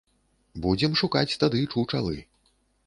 Будзем шукаць тады чучалы.